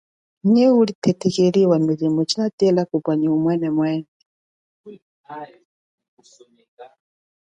Nyi uli thethekeli wa milimo, inatela kupwa nyi umwene mwene.